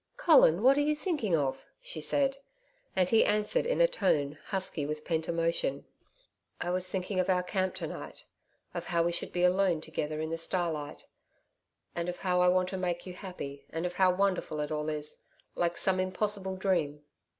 'Colin, what are you thinking of?' she said, and he answered in a tone, husky with pent emotion. 'I was thinking of our camp to night of how we should be alone together in the starlight.... And of how I want to make you happy and of how wonderful it all is like some impossible dream.'